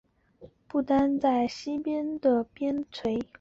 此时不丹还是西藏的边陲。